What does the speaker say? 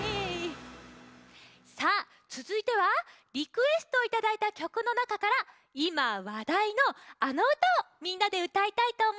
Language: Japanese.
さあつづいてはリクエストをいただいたきょくのなかからいまわだいのあのうたをみんなでうたいたいとおもいます。